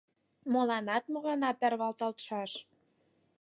Моланат, моланат тарваталшаш?